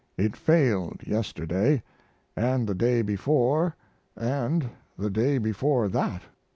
It failed yesterday & the day before & the day before that.